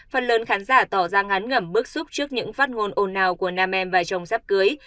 phần lớn khán giả tỏ ra ngán ngẩm bức xúc trước những phát ngôn ồn ào của nam em và chồng giáp cưới